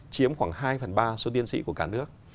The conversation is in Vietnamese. chiếm khoảng hai phần ba số tiến sĩ của cả nước